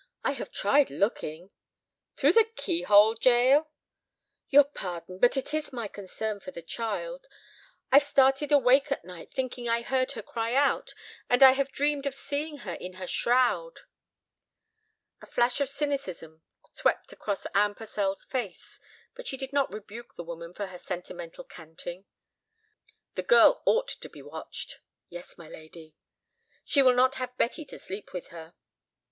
I have tried looking—" "Through the key hole, Jael?" "Your pardon, but it is my concern for the child. I've started awake at night thinking I heard her cry out, and I have dreamed of seeing her in her shroud." A flash of cynicism swept across Anne Purcell's face. But she did not rebuke the woman for her sentimental canting. "The girl ought to be watched." "Yes, my lady." "She will not have Betty to sleep with her."